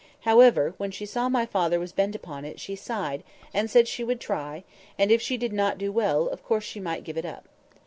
However, when she saw my father was bent upon it, she sighed, and said she would try; and if she did not do well, of course she might give it up.